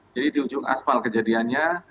jadi di ujung asfal kejadiannya